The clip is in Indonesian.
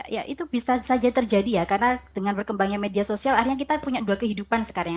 ya itu bisa saja terjadi ya karena dengan berkembangnya media sosial akhirnya kita punya dua kehidupan sekarang